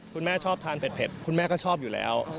คุณแม่ชอบทานเผ็ดคุณแม่ก็ชอบอยู่แล้ว